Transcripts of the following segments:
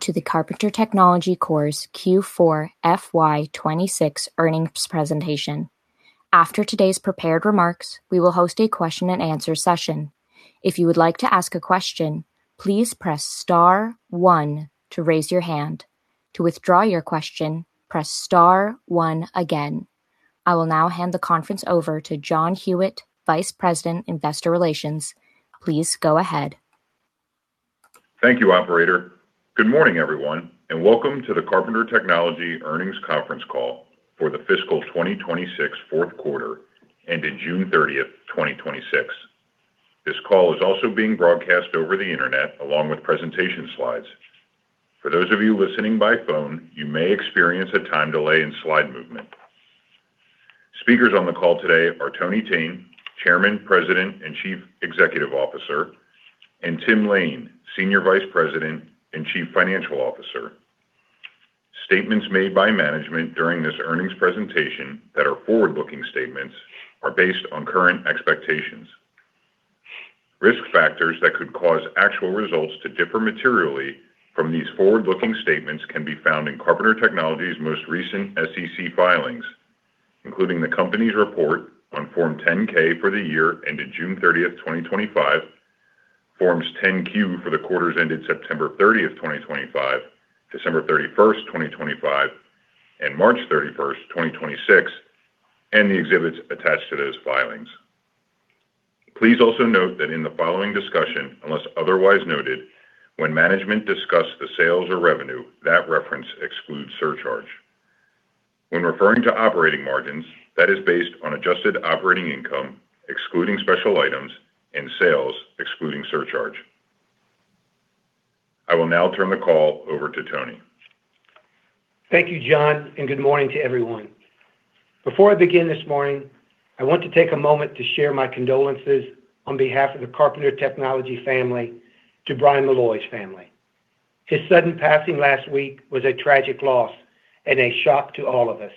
To the Carpenter Technology Q4 FY 2026 earnings presentation. After today's prepared remarks, we will host a question and answer session. If you would like to ask a question, please press star one to raise your hand. To withdraw your question, press star one again. I will now hand the conference over to John Huyette, Vice President, Investor Relations. Please go ahead. Thank you, operator. Good morning, everyone, and welcome to the Carpenter Technology earnings conference call for the fiscal 2026 fourth quarter ended June 30, 2026. This call is also being broadcast over the internet along with presentation slides. For those of you listening by phone, you may experience a time delay in slide movement. Speakers on the call today are Tony Thene, Chairman, President, and Chief Executive Officer, and Tim Lain, Senior Vice President and Chief Financial Officer. Statements made by management during this earnings presentation that are forward-looking statements are based on current expectations. Risk factors that could cause actual results to differ materially from these forward-looking statements can be found in Carpenter Technology's most recent SEC filings, including the company's report on Form 10-K for the year ended June 30, 2025, Forms 10-Q for the quarters ended September 30, 2025, December 31, 2025, and March 31, 2026, and the exhibits attached to those filings. Please also note that in the following discussion, unless otherwise noted, when management discuss the sales or revenue, that reference excludes surcharge. When referring to operating margins, that is based on adjusted operating income, excluding special items, and sales, excluding surcharge. I will now turn the call over to Tony. Thank you, John. Good morning to everyone. Before I begin this morning, I want to take a moment to share my condolences on behalf of the Carpenter Technology family to Brian Malloy's family. His sudden passing last week was a tragic loss and a shock to all of us.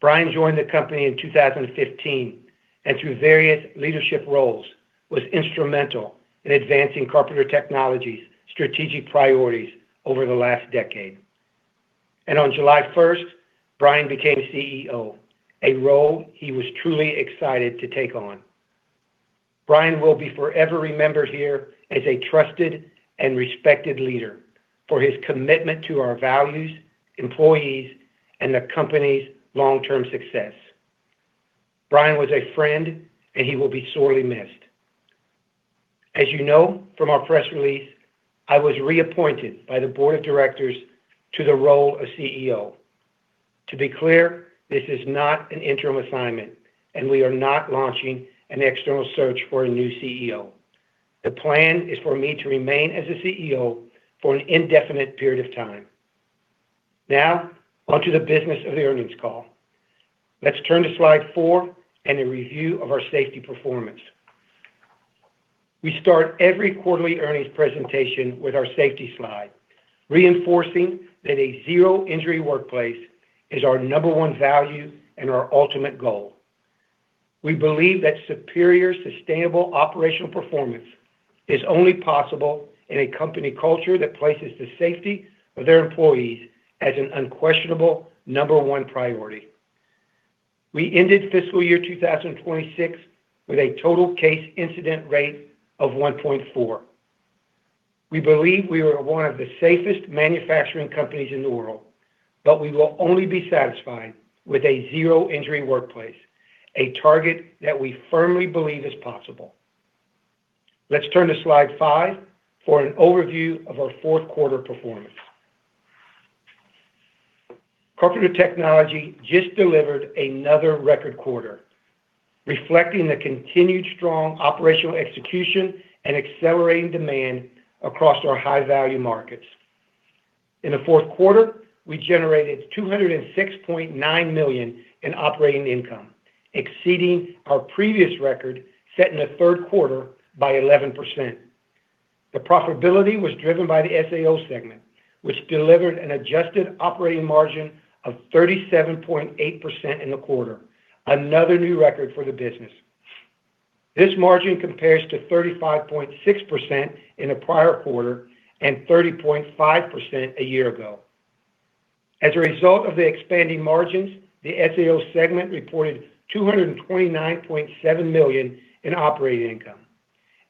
Brian joined the company in 2015, and through various leadership roles, was instrumental in advancing Carpenter Technology's strategic priorities over the last decade. On July 1, Brian became CEO, a role he was truly excited to take on. Brian will be forever remembered here as a trusted and respected leader for his commitment to our values, employees, and the company's long-term success. Brian was a friend, and he will be sorely missed. As you know from our press release, I was reappointed by the board of directors to the role of CEO. To be clear, this is not an interim assignment, we are not launching an external search for a new CEO. The plan is for me to remain as the CEO for an indefinite period of time. Onto the business of the earnings call. Let's turn to slide four and a review of our safety performance. We start every quarterly earnings presentation with our safety slide, reinforcing that a zero injury workplace is our number 1 value and our ultimate goal. We believe that superior, sustainable operational performance is only possible in a company culture that places the safety of their employees as an unquestionable number one priority. We ended fiscal year 2026 with a total case incident rate of 1.4. We believe we are one of the safest manufacturing companies in the world, we will only be satisfied with a zero injury workplace, a target that we firmly believe is possible. Let's turn to slide five for an overview of our fourth quarter performance. Carpenter Technology just delivered another record quarter, reflecting the continued strong operational execution and accelerating demand across our high-value markets. In the fourth quarter, we generated $206.9 million in operating income, exceeding our previous record set in the third quarter by 11%. The profitability was driven by the SAO segment, which delivered an adjusted operating margin of 37.8% in the quarter, another new record for the business. This margin compares to 35.6% in the prior quarter and 30.5% a year ago. As a result of the expanding margins, the SAO segment reported $229.7 million in operating income,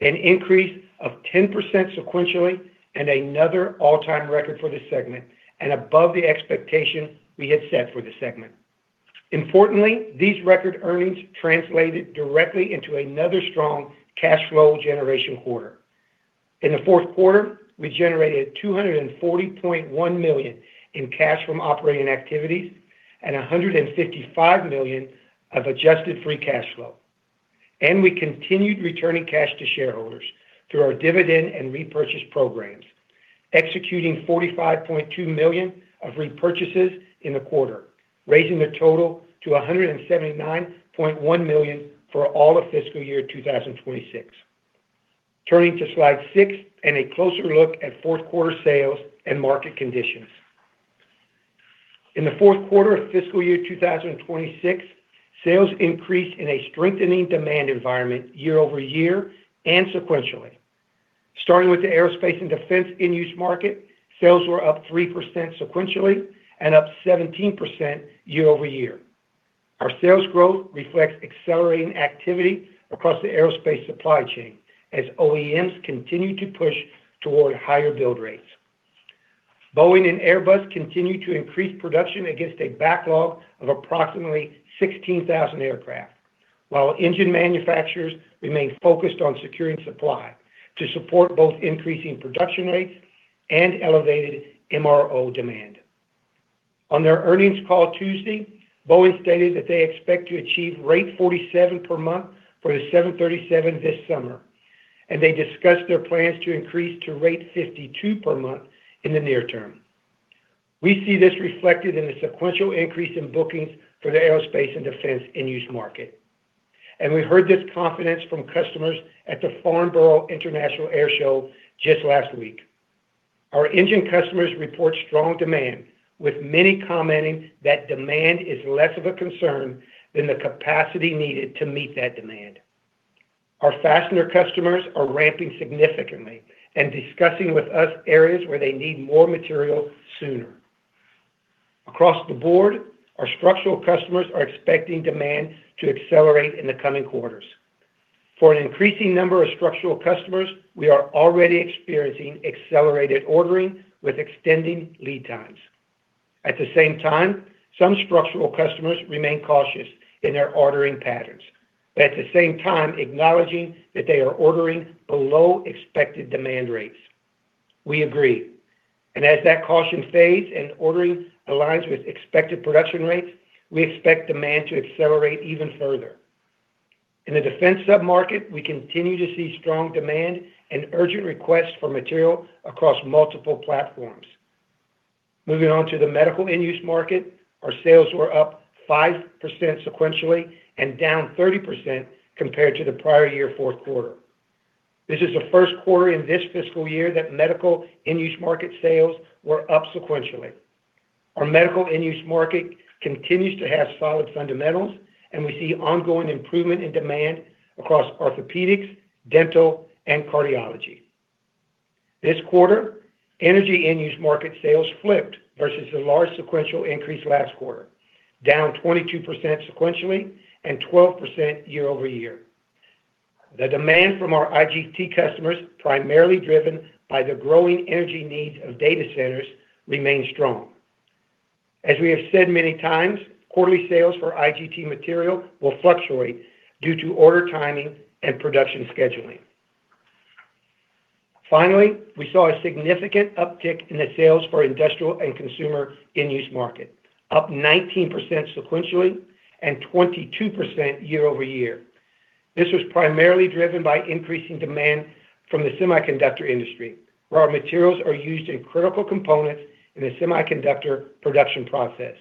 an increase of 10% sequentially and another all-time record for the segment and above the expectation we had set for the segment. Importantly, these record earnings translated directly into another strong cash flow generation quarter. In the fourth quarter, we generated $240.1 million in cash from operating activities and $155 million of adjusted free cash flow, we continued returning cash to shareholders through our dividend and repurchase programs, executing $45.2 million of repurchases in the quarter, raising the total to $179.1 million for all of fiscal year 2026. Turning to slide six and a closer look at fourth quarter sales and market conditions. In the fourth quarter of fiscal year 2026, sales increased in a strengthening demand environment year-over-year and sequentially. Starting with the aerospace and defense end-use market, sales were up 3% sequentially and up 17% year-over-year. Our sales growth reflects accelerating activity across the aerospace supply chain as OEMs continue to push toward higher build rates. Boeing and Airbus continue to increase production against a backlog of approximately 16,000 aircraft, while engine manufacturers remain focused on securing supply to support both increasing production rates and elevated MRO demand. On their earnings call Tuesday, Boeing stated that they expect to achieve rate 47 per month for the 737 this summer, they discussed their plans to increase to rate 52 per month in the near term. We see this reflected in the sequential increase in bookings for the aerospace and defense end-use market. We heard this confidence from customers at the Farnborough International Airshow just last week. Our engine customers report strong demand, with many commenting that demand is less of a concern than the capacity needed to meet that demand. Our fastener customers are ramping significantly and discussing with us areas where they need more material sooner. Across the board, our structural customers are expecting demand to accelerate in the coming quarters. For an increasing number of structural customers, we are already experiencing accelerated ordering with extending lead times. At the same time, some structural customers remain cautious in their ordering patterns, but at the same time acknowledging that they are ordering below expected demand rates. We agree, and as that caution fades and ordering aligns with expected production rates, we expect demand to accelerate even further. In the defense sub-market, we continue to see strong demand and urgent requests for material across multiple platforms. Moving on to the medical end-use market, our sales were up 5% sequentially and down 30% compared to the prior year fourth quarter. This is the first quarter in this fiscal year that medical end-use market sales were up sequentially. Our medical end-use market continues to have solid fundamentals, and we see ongoing improvement in demand across orthopedics, dental, and cardiology. This quarter, energy end-use market sales flipped versus the large sequential increase last quarter, down 22% sequentially and 12% year-over-year. The demand from our IGT customers, primarily driven by the growing energy needs of data centers, remains strong. As we have said many times, quarterly sales for IGT material will fluctuate due to order timing and production scheduling. Finally, we saw a significant uptick in the sales for industrial and consumer end-use market, up 19% sequentially and 22% year-over-year. This was primarily driven by increasing demand from the semiconductor industry, where our materials are used in critical components in the semiconductor production process.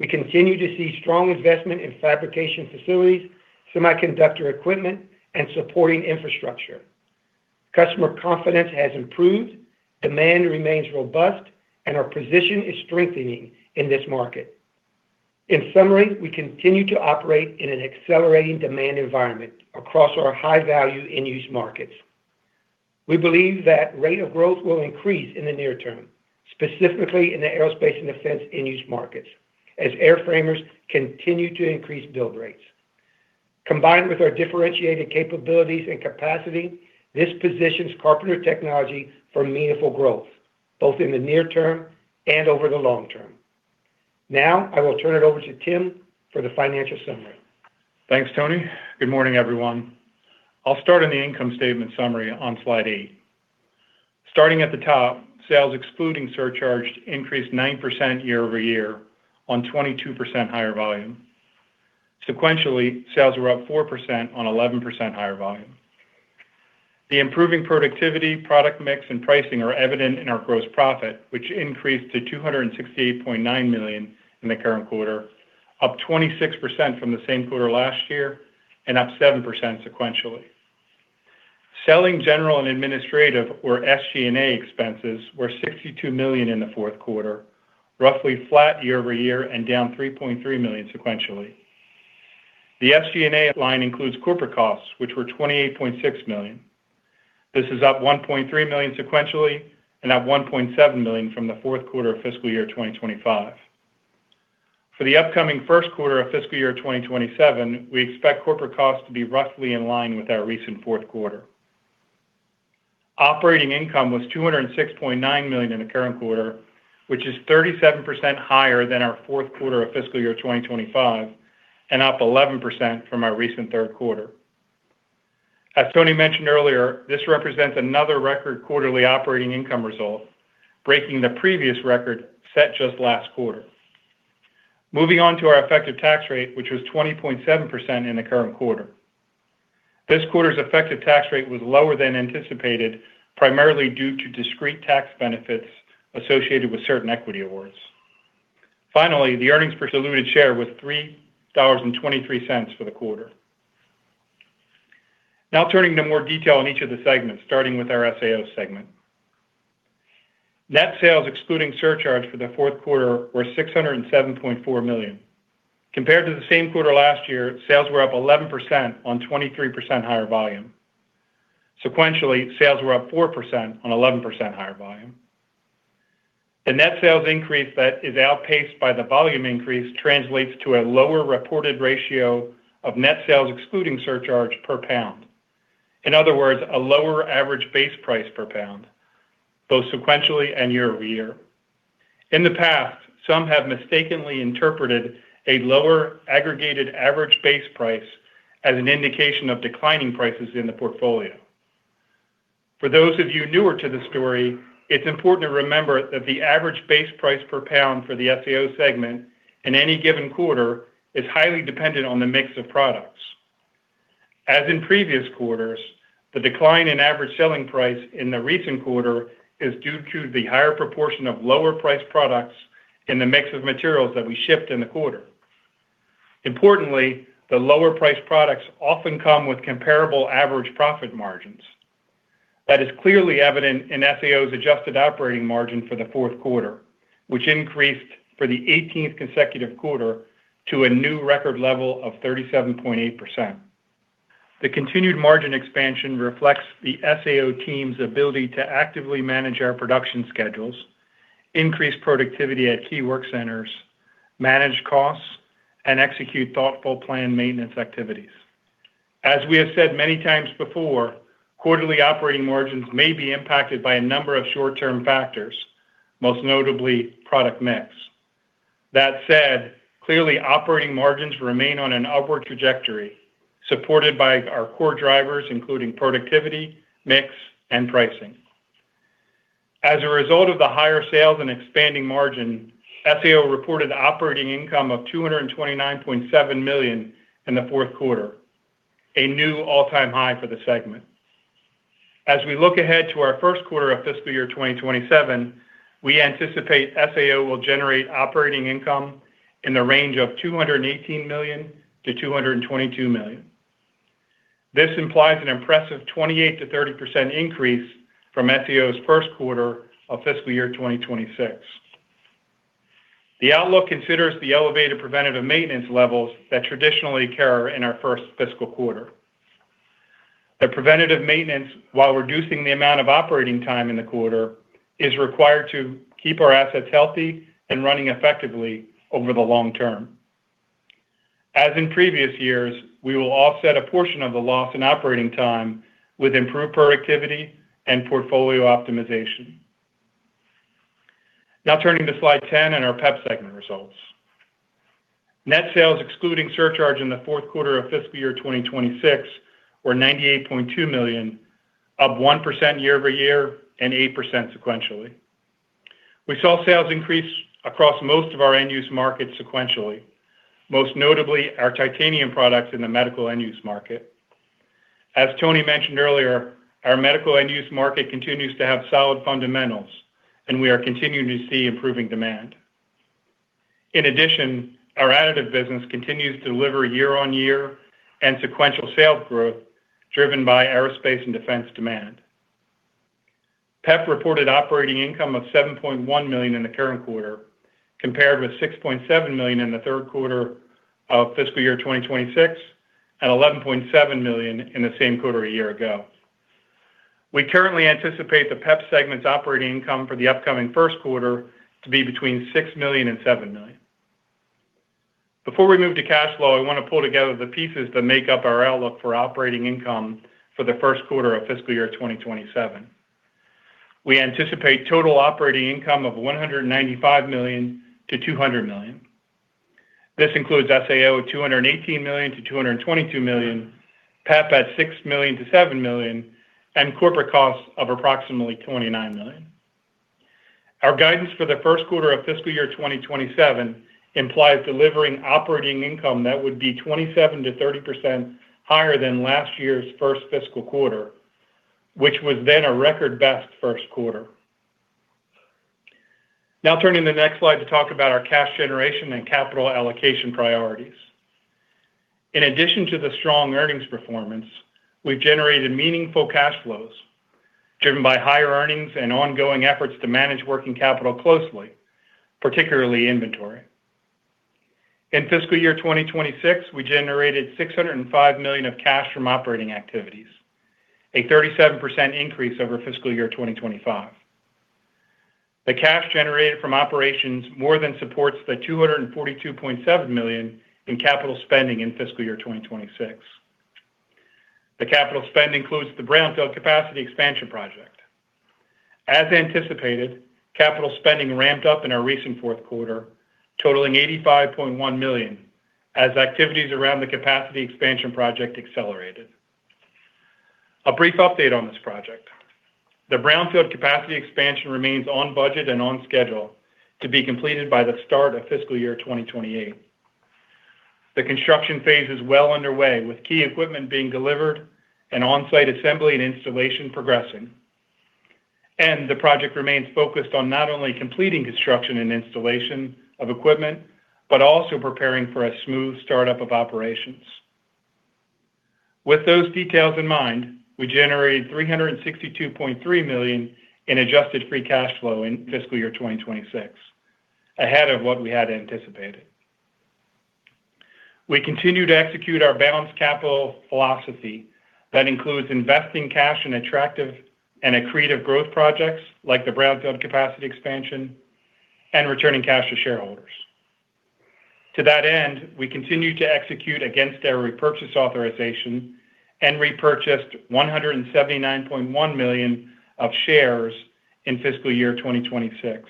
We continue to see strong investment in fabrication facilities, semiconductor equipment, and supporting infrastructure. Customer confidence has improved, demand remains robust, and our position is strengthening in this market. In summary, we continue to operate in an accelerating demand environment across our high-value end-use markets. We believe that rate of growth will increase in the near term, specifically in the aerospace and defense end-use markets, as airframers continue to increase build rates. Combined with our differentiated capabilities and capacity, this positions Carpenter Technology for meaningful growth, both in the near term and over the long term. Now, I will turn it over to Tim for the financial summary. Thanks, Tony. Good morning, everyone. I'll start on the income statement summary on slide eight. Starting at the top, sales excluding surcharge increased 9% year-over-year on 22% higher volume. Sequentially, sales were up 4% on 11% higher volume. The improving productivity, product mix, and pricing are evident in our gross profit, which increased to $268.9 million in the current quarter, up 26% from the same quarter last year and up 7% sequentially. Selling general and administrative or SG&A expenses were $62 million in the fourth quarter, roughly flat year-over-year and down $3.3 million sequentially. The SG&A line includes corporate costs, which were $28.6 million. This is up $1.3 million sequentially and up $1.7 million from the fourth quarter of fiscal year 2025. For the upcoming first quarter of fiscal year 2027, we expect corporate costs to be roughly in line with our recent fourth quarter. Operating income was $206.9 million in the current quarter, which is 37% higher than our fourth quarter of fiscal year 2025 and up 11% from our recent third quarter. As Tony mentioned earlier, this represents another record quarterly operating income result, breaking the previous record set just last quarter. Moving on to our effective tax rate, which was 20.7% in the current quarter. This quarter's effective tax rate was lower than anticipated, primarily due to discrete tax benefits associated with certain equity awards. Finally, the earnings per diluted share was $3.23 for the quarter. Now turning to more detail on each of the segments, starting with our SAO segment. Net sales excluding surcharge for the fourth quarter were $607.4 million. Compared to the same quarter last year, sales were up 11% on 23% higher volume. Sequentially, sales were up 4% on 11% higher volume. The net sales increase that is outpaced by the volume increase translates to a lower reported ratio of net sales excluding surcharge per pound. In other words, a lower average base price per pound, both sequentially and year-over-year. In the past, some have mistakenly interpreted a lower aggregated average base price as an indication of declining prices in the portfolio. For those of you newer to the story, it's important to remember that the average base price per pound for the SAO segment in any given quarter is highly dependent on the mix of products. As in previous quarters, the decline in average selling price in the recent quarter is due to the higher proportion of lower priced products in the mix of materials that we shipped in the quarter. Importantly, the lower priced products often come with comparable average profit margins. That is clearly evident in SAO's adjusted operating margin for the fourth quarter, which increased for the 18th consecutive quarter to a new record level of 37.8%. The continued margin expansion reflects the SAO team's ability to actively manage our production schedules, increase productivity at key work centers, manage costs, and execute thoughtful planned maintenance activities. As we have said many times before, quarterly operating margins may be impacted by a number of short-term factors, most notably product mix. That said, clearly operating margins remain on an upward trajectory, supported by our core drivers, including productivity, mix, and pricing. As a result of the higher sales and expanding margin, SAO reported operating income of $229.7 million in the fourth quarter, a new all-time high for the segment. As we look ahead to our first quarter of fiscal year 2027, we anticipate SAO will generate operating income in the range of $218 million-$222 million. This implies an impressive 28%-30% increase from SAO's first quarter of fiscal year 2026. The outlook considers the elevated preventative maintenance levels that traditionally occur in our first fiscal quarter. The preventative maintenance, while reducing the amount of operating time in the quarter, is required to keep our assets healthy and running effectively over the long term. As in previous years, we will offset a portion of the loss in operating time with improved productivity and portfolio optimization. Now turning to slide 10 and our PEP segment results. Net sales excluding surcharge in the fourth quarter of fiscal year 2026 were $98.2 million, up 1% year-over-year and 8% sequentially. We saw sales increase across most of our end use markets sequentially, most notably our titanium products in the medical end use market. As Tony mentioned earlier, our medical end use market continues to have solid fundamentals, and we are continuing to see improving demand. In addition, our additive business continues to deliver year-over-year and sequential sales growth driven by aerospace and defense demand. PEP reported operating income of $7.1 million in the current quarter, compared with $6.7 million in the third quarter of FY 2026 and $11.7 million in the same quarter a year ago. We currently anticipate the PEP segment's operating income for the upcoming first quarter to be between $6 million and $7 million. Before we move to cash flow, I want to pull together the pieces that make up our outlook for operating income for the first quarter of FY 2027. We anticipate total operating income of $195 million to $200 million. This includes SAO $218 million to $222 million, PEP at $6 million to $7 million, and corporate costs of approximately $29 million. Our guidance for the first quarter of FY 2027 implies delivering operating income that would be 27%-30% higher than last year's first fiscal quarter, which was then a record best first quarter. Turning to the next slide to talk about our cash generation and capital allocation priorities. In addition to the strong earnings performance, we've generated meaningful cash flows driven by higher earnings and ongoing efforts to manage working capital closely, particularly inventory. In FY 2026, we generated $605 million of cash from operating activities, a 37% increase over FY 2025. The cash generated from operations more than supports the $242.7 million in capital spending in FY 2026. The capital spend includes the Brownfield capacity expansion project. As anticipated, capital spending ramped up in our recent fourth quarter, totaling $85.1 million as activities around the capacity expansion project accelerated. A brief update on this project. The Brownfield capacity expansion remains on budget and on schedule to be completed by the start of FY 2028. The construction phase is well underway, with key equipment being delivered and on-site assembly and installation progressing. The project remains focused on not only completing construction and installation of equipment, but also preparing for a smooth startup of operations. With those details in mind, we generated $362.3 million in adjusted free cash flow in FY 2026, ahead of what we had anticipated. We continue to execute our balanced capital philosophy that includes investing cash in attractive and accretive growth projects like the Brownfield capacity expansion and returning cash to shareholders. To that end, we continue to execute against our repurchase authorization and repurchased $179.1 million of shares in FY 2026.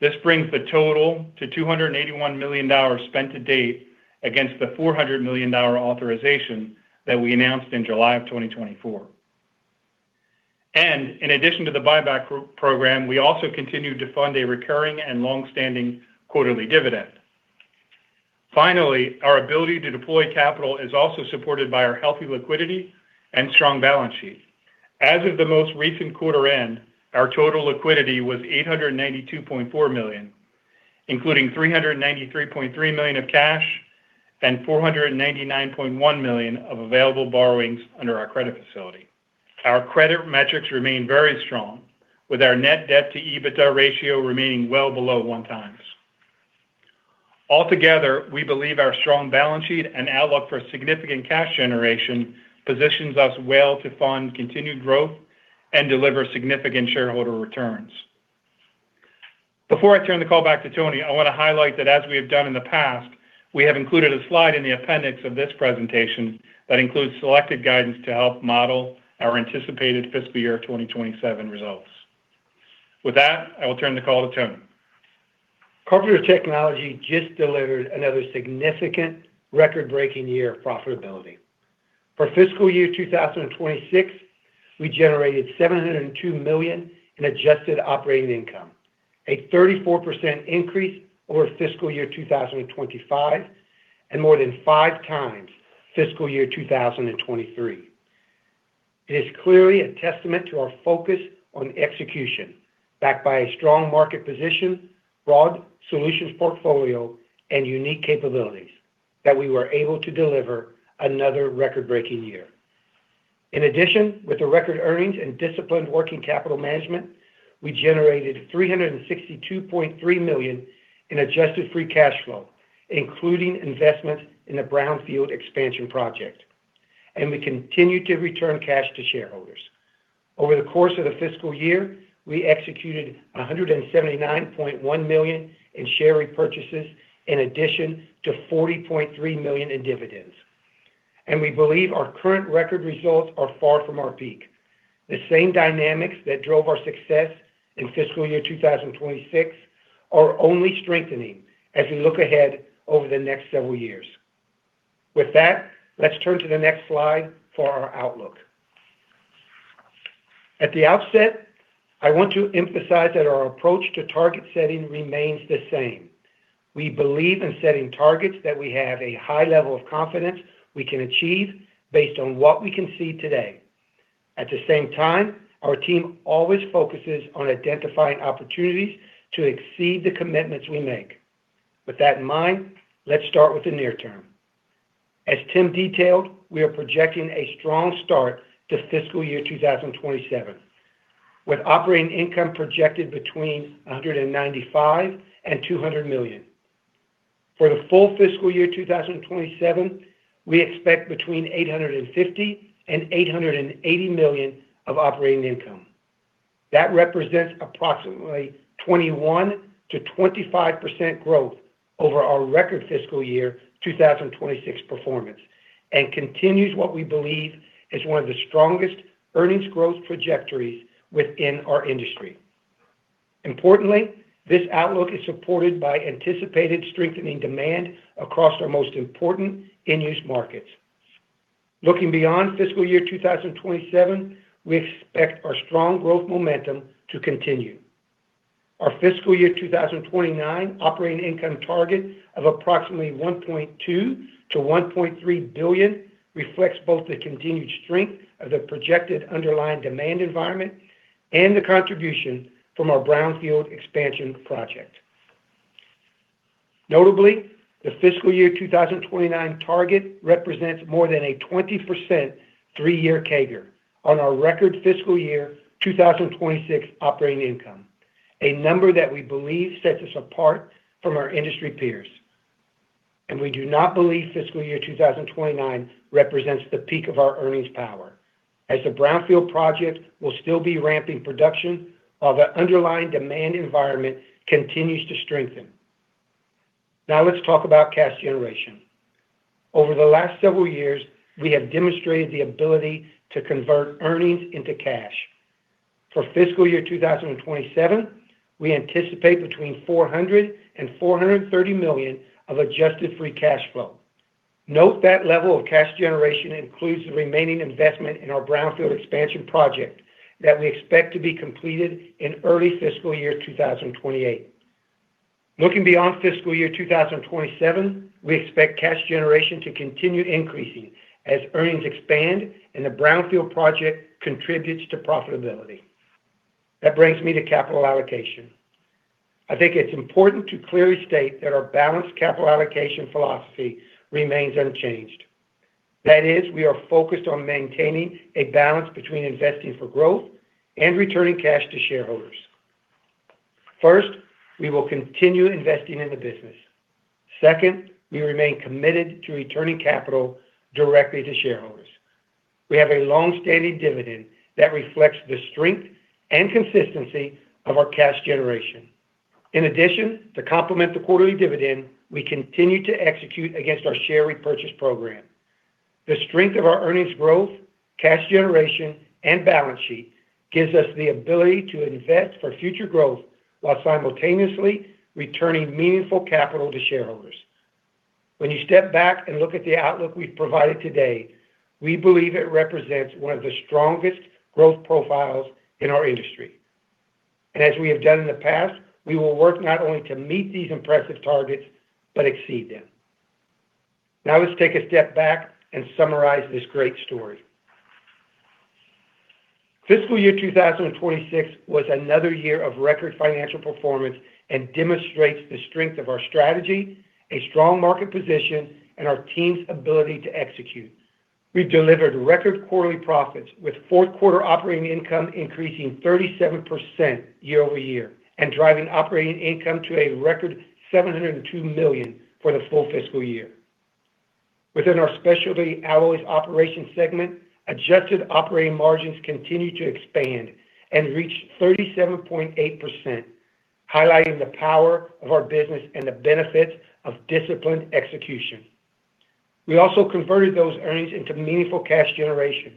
This brings the total to $281 million spent to date against the $400 million authorization that we announced in July of 2024. In addition to the buyback program, we also continued to fund a recurring and longstanding quarterly dividend. Finally, our ability to deploy capital is also supported by our healthy liquidity and strong balance sheet. As of the most recent quarter end, our total liquidity was $892.4 million, including $393.3 million of cash and $499.1 million of available borrowings under our credit facility. Our credit metrics remain very strong, with our net debt to EBITDA ratio remaining well below one times. Altogether, we believe our strong balance sheet and outlook for significant cash generation positions us well to fund continued growth and deliver significant shareholder returns. Before I turn the call back to Tony, I want to highlight that, as we have done in the past, we have included a slide in the appendix of this presentation that includes selected guidance to help model our anticipated fiscal year 2027 results. With that, I will turn the call to Tony. Carpenter Technology just delivered another significant record-breaking year of profitability. For fiscal year 2026, we generated $702 million in adjusted operating income, a 34% increase over fiscal year 2025, and more than five times fiscal year 2023. It is clearly a testament to our focus on execution, backed by a strong market position, broad solutions portfolio, and unique capabilities, that we were able to deliver another record-breaking year. In addition, with the record earnings and disciplined working capital management, we generated $362.3 million in adjusted free cash flow, including investment in the Brownfield expansion project, and we continued to return cash to shareholders. Over the course of the fiscal year, we executed $179.1 million in share repurchases in addition to $40.3 million in dividends. We believe our current record results are far from our peak. The same dynamics that drove our success in fiscal year 2026 are only strengthening as we look ahead over the next several years. With that, let's turn to the next slide for our outlook. At the outset, I want to emphasize that our approach to target setting remains the same. We believe in setting targets that we have a high level of confidence we can achieve based on what we can see today. At the same time, our team always focuses on identifying opportunities to exceed the commitments we make. With that in mind, let's start with the near term. As Tim detailed, we are projecting a strong start to fiscal year 2027, with operating income projected between $195 million and $200 million. For the full fiscal year 2027, we expect between $850 million and $880 million of operating income. That represents approximately 21%-25% growth over our record fiscal year 2026 performance and continues what we believe is one of the strongest earnings growth trajectories within our industry. Importantly, this outlook is supported by anticipated strengthening demand across our most important end-use markets. Looking beyond fiscal year 2027, we expect our strong growth momentum to continue. Our fiscal year 2029 operating income target of approximately $1.2 billion-$1.3 billion reflects both the continued strength of the projected underlying demand environment and the contribution from our Brownfield expansion project. Notably, the fiscal year 2029 target represents more than a 20% three-year CAGR on our record fiscal year 2026 operating income, a number that we believe sets us apart from our industry peers. We do not believe fiscal year 2029 represents the peak of our earnings power, as the Brownfield project will still be ramping production while the underlying demand environment continues to strengthen. Let's talk about cash generation. Over the last several years, we have demonstrated the ability to convert earnings into cash. For fiscal year 2027, we anticipate between $400 million and $430 million of adjusted free cash flow. Note that level of cash generation includes the remaining investment in our Brownfield expansion project that we expect to be completed in early fiscal year 2028. Looking beyond fiscal year 2027, we expect cash generation to continue increasing as earnings expand and the Brownfield project contributes to profitability. That brings me to capital allocation. I think it's important to clearly state that our balanced capital allocation philosophy remains unchanged. That is, we are focused on maintaining a balance between investing for growth and returning cash to shareholders. First, we will continue investing in the business. Second, we remain committed to returning capital directly to shareholders. We have a long-standing dividend that reflects the strength and consistency of our cash generation. In addition, to complement the quarterly dividend, we continue to execute against our share repurchase program. The strength of our earnings growth, cash generation, and balance sheet gives us the ability to invest for future growth while simultaneously returning meaningful capital to shareholders. When you step back and look at the outlook we've provided today, we believe it represents one of the strongest growth profiles in our industry. As we have done in the past, we will work not only to meet these impressive targets, but exceed them. Let's take a step back and summarize this great story. Fiscal year 2026 was another year of record financial performance and demonstrates the strength of our strategy, a strong market position, and our team's ability to execute. We delivered record quarterly profits, with fourth quarter operating income increasing 37% year-over-year, driving operating income to a record $702 million for the full fiscal year. Within our Specialty Alloys Operations segment, adjusted operating margins continued to expand and reached 37.8%, highlighting the power of our business and the benefits of disciplined execution. We also converted those earnings into meaningful cash generation,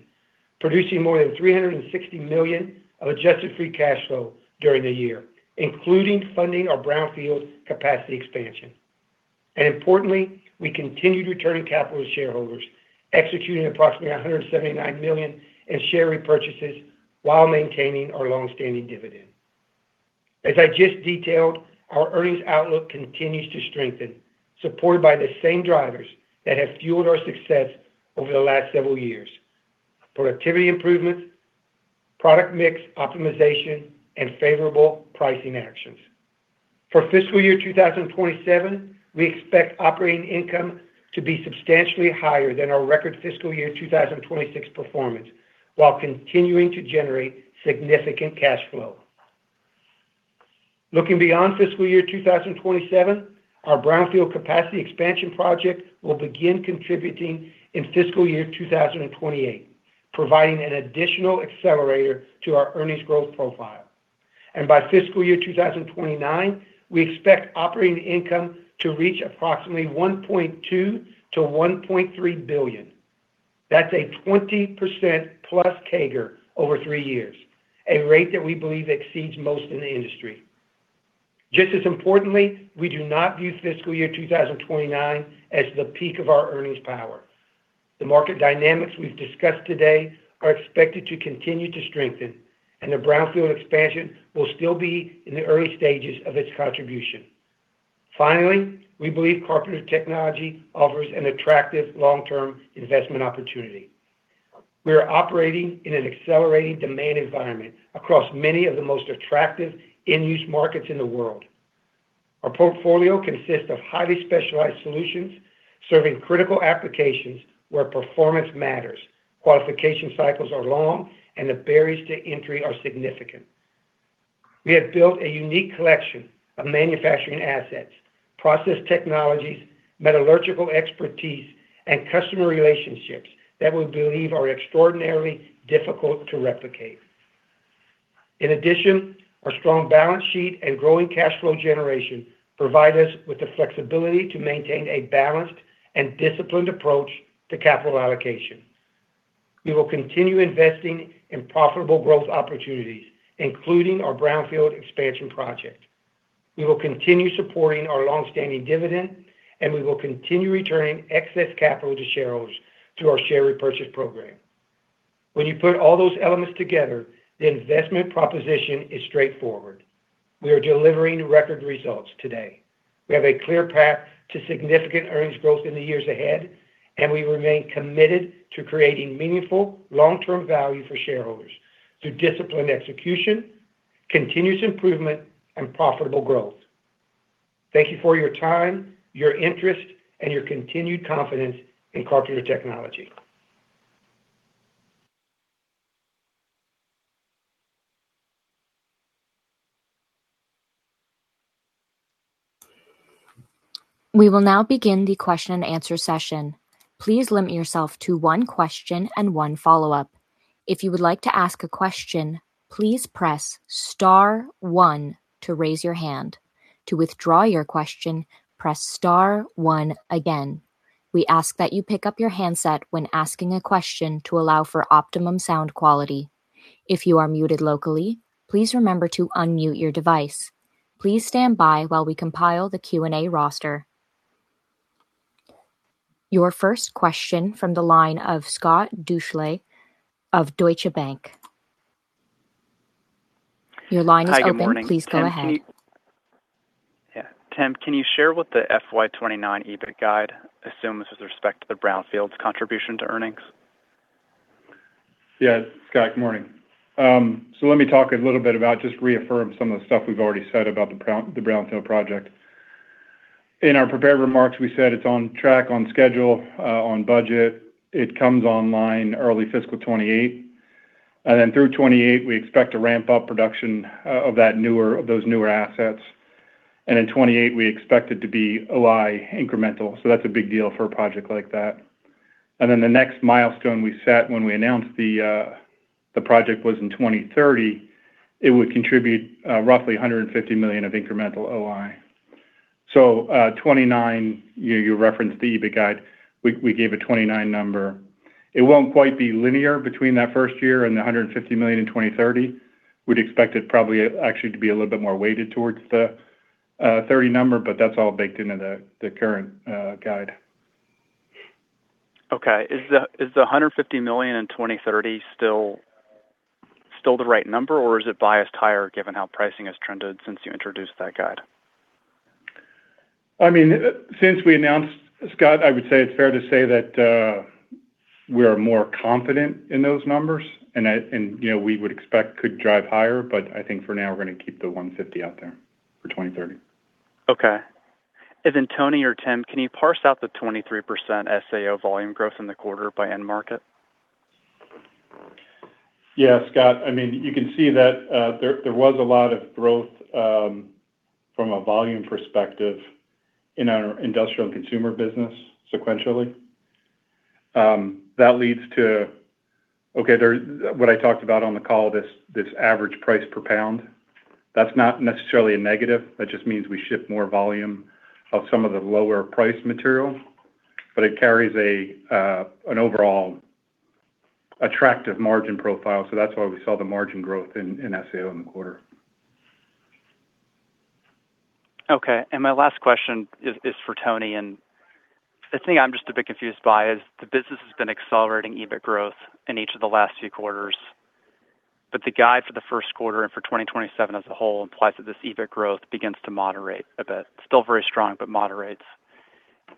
producing more than $360 million of adjusted free cash flow during the year, including funding our Brownfield capacity expansion. Importantly, we continued returning capital to shareholders, executing approximately $179 million in share repurchases while maintaining our longstanding dividend. As I just detailed, our earnings outlook continues to strengthen, supported by the same drivers that have fueled our success over the last several years, productivity improvements, product mix optimization, and favorable pricing actions. For fiscal year 2027, we expect operating income to be substantially higher than our record fiscal year 2026 performance while continuing to generate significant cash flow. Looking beyond fiscal year 2027, our Brownfield capacity expansion project will begin contributing in fiscal year 2028, providing an additional accelerator to our earnings growth profile. By fiscal year 2029, we expect operating income to reach approximately $1.2 billion-$1.3 billion. That's a 20%+ CAGR over three years, a rate that we believe exceeds most in the industry. Just as importantly, we do not view fiscal year 2029 as the peak of our earnings power. The market dynamics we've discussed today are expected to continue to strengthen, the Brownfield expansion will still be in the early stages of its contribution. Finally, we believe Carpenter Technology offers an attractive long-term investment opportunity. We are operating in an accelerating demand environment across many of the most attractive end-use markets in the world. Our portfolio consists of highly specialized solutions, serving critical applications where performance matters, qualification cycles are long, and the barriers to entry are significant. We have built a unique collection of manufacturing assets, process technologies, metallurgical expertise, and customer relationships that we believe are extraordinarily difficult to replicate. In addition, our strong balance sheet and growing cash flow generation provide us with the flexibility to maintain a balanced and disciplined approach to capital allocation. We will continue investing in profitable growth opportunities, including our Brownfield expansion project. We will continue supporting our longstanding dividend, we will continue returning excess capital to shareholders through our share repurchase program. When you put all those elements together, the investment proposition is straightforward. We are delivering record results today. We have a clear path to significant earnings growth in the years ahead, we remain committed to creating meaningful, long-term value for shareholders through disciplined execution, continuous improvement, and profitable growth. Thank you for your time, your interest, and your continued confidence in Carpenter Technology. We will now begin the question and answer session. Please limit yourself to one question and one follow-up. If you would like to ask a question, please press star one to raise your hand. To withdraw your question, press star one again. We ask that you pick up your handset when asking a question to allow for optimum sound quality. If you are muted locally, please remember to unmute your device. Please stand by while we compile the Q&A roster. Your first question from the line of Scott Deuschle of Deutsche Bank. Your line is open. Please go ahead. Hi, good morning. Tim, can you share what the FY 2029 EBIT guide assumes with respect to the Brownfields contribution to earnings? Scott, good morning. Let me talk a little bit about, just reaffirm some of the stuff we've already said about the Brownfield project. In our prepared remarks, we said it's on track, on schedule, on budget. It comes online early fiscal 2028, and then through 2028, we expect to ramp up production of those newer assets. In 2028, we expect it to be OI incremental. That's a big deal for a project like that. The next milestone we set when we announced the project was in 2030, it would contribute roughly $150 million of incremental OI. 2029, you referenced the EBIT guide. We gave a 2029 number. It won't quite be linear between that first year and the $150 million in 2030. We'd expect it probably actually to be a little bit more weighted towards the 2030 number, that's all baked into the current guide. Is the $150 million in 2030 still the right number, or is it biased higher given how pricing has trended since you introduced that guide? Since we announced, Scott, I would say it's fair to say that we are more confident in those numbers, and we would expect could drive higher, I think for now we're going to keep the $150 out there for 2030. Okay. Tony or Tim, can you parse out the 23% SAO volume growth in the quarter by end market? Yeah, Scott. You can see that there was a lot of growth from a volume perspective in our industrial and consumer business sequentially. That leads to, okay, what I talked about on the call, this average price per pound. That's not necessarily a negative. That just means we ship more volume of some of the lower priced material, but it carries an overall attractive margin profile. That's why we saw the margin growth in SAO in the quarter. Okay. My last question is for Tony, the thing I'm just a bit confused by is the business has been accelerating EBIT growth in each of the last few quarters, the guide for the first quarter and for 2027 as a whole implies that this EBIT growth begins to moderate a bit. Still very strong, but moderates.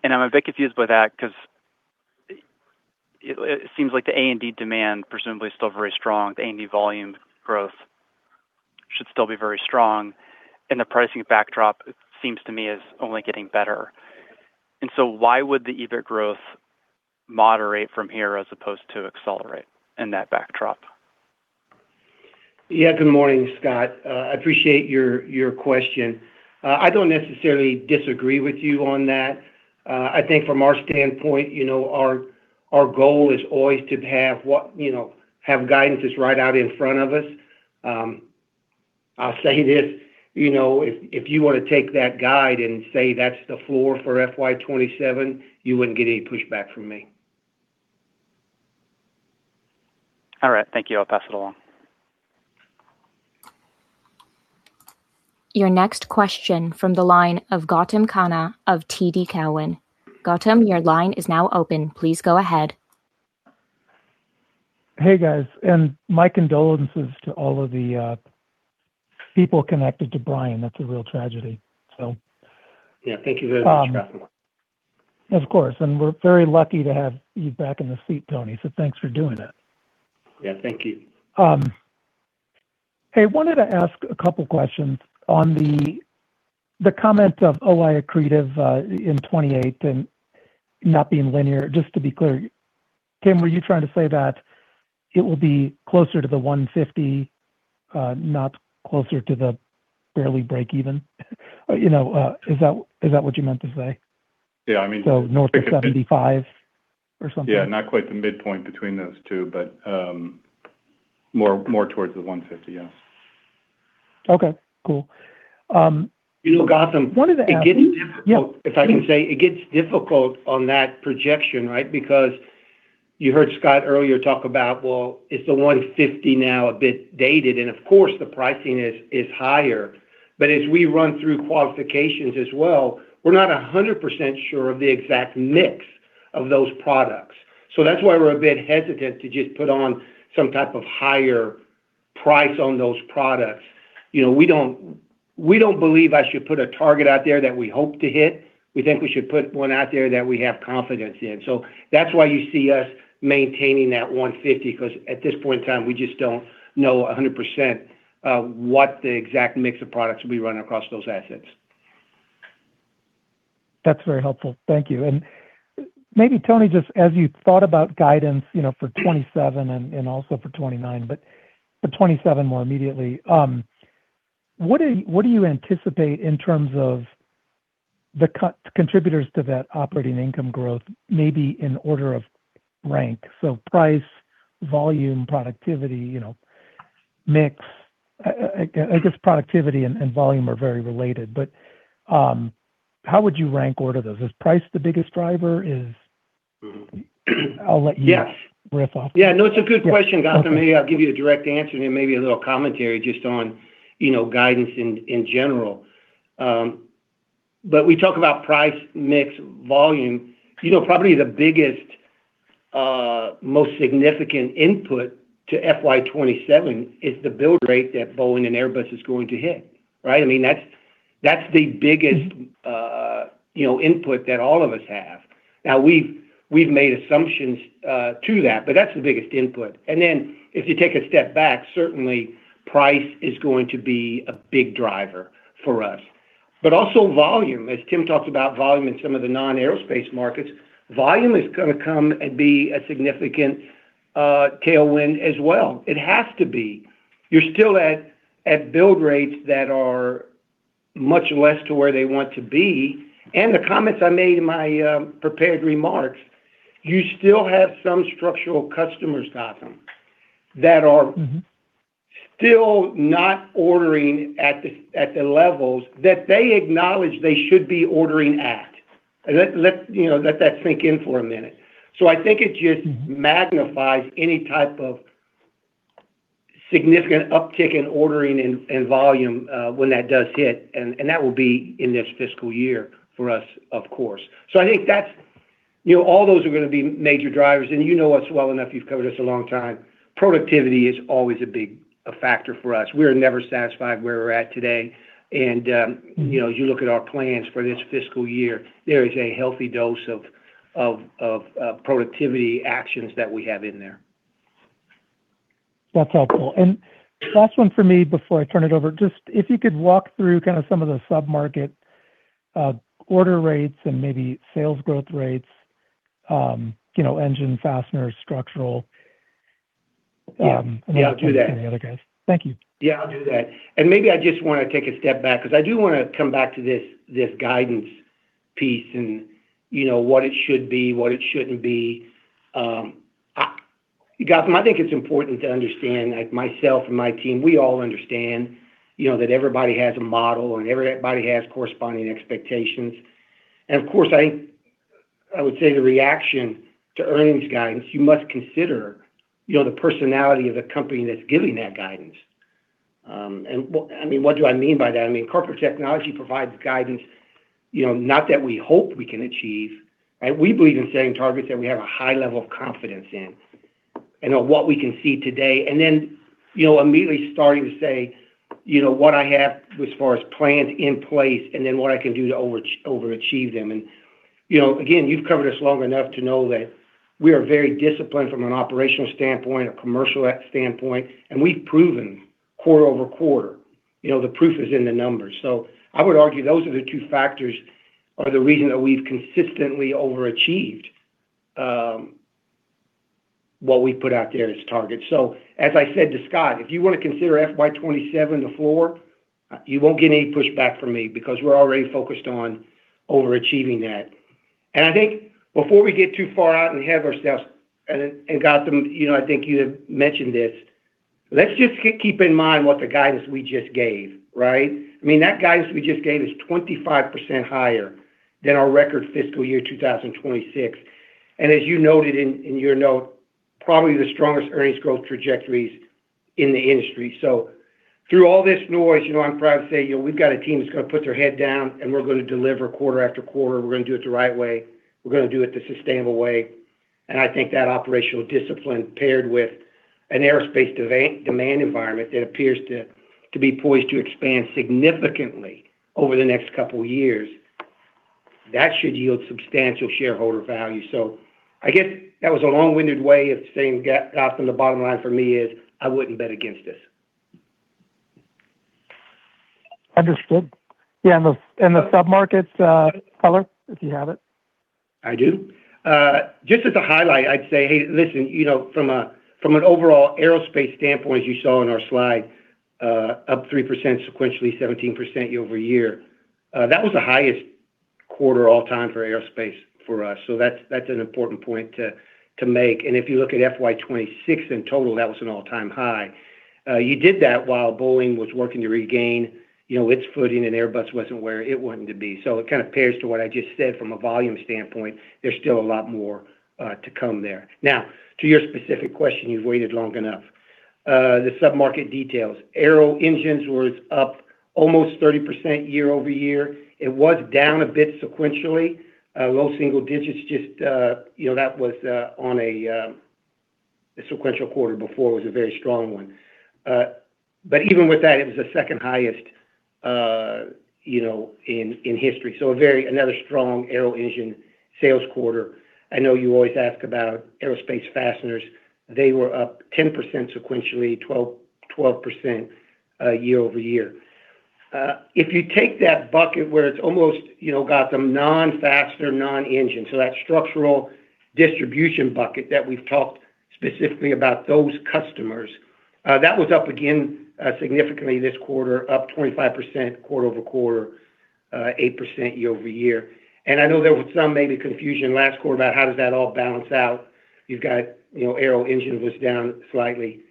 I'm a bit confused by that because it seems like the A&D demand presumably is still very strong. The A&D volume growth should still be very strong, the pricing backdrop, it seems to me, is only getting better. Why would the EBIT growth moderate from here as opposed to accelerate in that backdrop? Yeah. Good morning, Scott. I appreciate your question. I don't necessarily disagree with you on that. I think from our standpoint, our goal is always to have guidance that's right out in front of us. I'll say this, if you want to take that guide and say that's the floor for FY 2027, you wouldn't get any pushback from me. All right. Thank you. I'll pass it along. Your next question from the line of Gautam Khanna of TD Cowen. Gautam, your line is now open. Please go ahead. Hey, guys. My condolences to all of the people connected to Brian. That's a real tragedy. Yeah. Thank you very much for asking. Of course, and we're very lucky to have you back in the seat, Tony, so thanks for doing it. Yeah. Thank you. Wanted to ask a couple questions on the comment of OI accretive in 2028 and not being linear. Just to be clear, Tim, were you trying to say that it will be closer to the $150, not closer to the barely break even? Is that what you meant to say? Yeah. North of $75 or something? Yeah, not quite the midpoint between those two, but more towards the 150, yeah. Okay. Cool. You know, Gautam. I wanted to ask. It gets difficult. Yeah. If I can say, it gets difficult on that projection, right? Because you heard Scott earlier talk about, well, is the 150 now a bit dated? Of course, the pricing is higher, but as we run through qualifications as well, we're not 100% sure of the exact mix of those products. That's why we're a bit hesitant to just put on some type of higher price on those products. We don't believe I should put a target out there that we hope to hit. We think we should put one out there that we have confidence in. That's why you see us maintaining that 150, because at this point in time, we just don't know 100% what the exact mix of products will be running across those assets. That's very helpful. Thank you. Maybe Tony, just as you thought about guidance, for 2027 and also for 2029, but for 2027 more immediately, what do you anticipate in terms of the contributors to that operating income growth, maybe in order of rank? Price, volume, productivity, mix. I guess productivity and volume are very related, but how would you rank order those? Is price the biggest driver? Is I'll let you- Yes riff off of that. Yeah, no, it's a good question, Gautam. Maybe I'll give you a direct answer and maybe a little commentary just on guidance in general. We talk about price, mix, volume. Probably the biggest, most significant input to FY 2027 is the build rate that Boeing and Airbus is going to hit, right? That's the biggest input that all of us have. Now, we've made assumptions to that, but that's the biggest input. If you take a step back, certainly price is going to be a big driver for us. Also volume, as Tim talked about volume in some of the non-aerospace markets, volume is going to come and be a significant tailwind as well. It has to be. You're still at build rates that are much less to where they want to be. The comments I made in my prepared remarks, you still have some structural customers, Gautam. still not ordering at the levels that they acknowledge they should be ordering at. Let that sink in for a minute. I think it just magnifies any type of significant uptick in ordering and volume when that does hit, and that will be in this fiscal year for us, of course. I think all those are going to be major drivers. You know us well enough, you've covered us a long time. Productivity is always a big factor for us. We are never satisfied where we're at today. As you look at our plans for this fiscal year, there is a healthy dose of productivity actions that we have in there. That's helpful. Last one for me before I turn it over. Just if you could walk through kind of some of the sub-market order rates and maybe sales growth rates, engine fasteners. Yeah, I'll do that. Then I'll do the same for the other guys. Thank you. Yeah, I'll do that. Maybe I just want to take a step back because I do want to come back to this guidance piece and what it should be, what it shouldn't be. Gautam, I think it's important to understand, like myself and my team, we all understand that everybody has a model and everybody has corresponding expectations. Of course, I would say the reaction to earnings guidance, you must consider the personality of the company that's giving that guidance. What do I mean by that? Carpenter Technology provides guidance, not that we hope we can achieve. We believe in setting targets that we have a high level of confidence in and of what we can see today. Then immediately starting to say, what I have as far as plans in place, and then what I can do to overachieve them. You've covered us long enough to know that we are very disciplined from an operational standpoint, a commercial standpoint, we've proven quarter-over-quarter, the proof is in the numbers. I would argue those are the two factors are the reason that we've consistently overachieved what we put out there as targets. As I said to Scott, if you want to consider FY 2027 the floor, you won't get any pushback from me because we're already focused on overachieving that. I think before we get too far out ahead of ourselves, Gautam, I think you had mentioned this, let's just keep in mind what the guidance we just gave. That guidance we just gave is 25% higher than our record fiscal year 2026. As you noted in your note, probably the strongest earnings growth trajectories in the industry. Through all this noise, I'm proud to say, we've got a team that's going to put their head down and we're going to deliver quarter-after-quarter. We're going to do it the right way. We're going to do it the sustainable way. I think that operational discipline paired with an aerospace demand environment that appears to be poised to expand significantly over the next couple of years, that should yield substantial shareholder value. I guess that was a long-winded way of saying, Gautam, the bottom line for me is I wouldn't bet against us. Understood. Yeah, the sub-markets color, if you have it. I do. Just as a highlight, I'd say, hey, listen, from an overall aerospace standpoint, as you saw in our slide, up 3% sequentially, 17% year-over-year. That was the highest quarter all time for aerospace for us. That's an important point to make. If you look at FY 2026 in total, that was an all-time high. You did that while Boeing was working to regain its footing and Airbus wasn't where it wanted to be. It kind of pairs to what I just said from a volume standpoint, there's still a lot more to come there. Now, to your specific question, you've waited long enough. The sub-market details. Aero engines were up almost 30% year-over-year. It was down a bit sequentially, low single digits. That was on a sequential quarter before was a very strong one. Even with that, it was the second highest in history. Another very strong aero engine sales quarter. I know you always ask about aerospace fasteners. They were up 10% sequentially, 12% year-over-year. If you take that bucket where it's almost, Gautam, non-fastener, non-engine, so that structural distribution bucket that we've talked specifically about those customers. That was up again significantly this quarter, up 25% quarter-over-quarter, 8% year-over-year. I know there was some maybe confusion last quarter about how does that all balance out. You've got aero engine was down slightly.